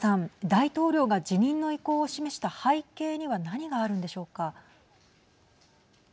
大統領が辞任の意向を示した背景には何があるんでしょうか。